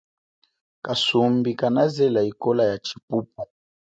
Kasumbi kanazela ikola ya chipupu.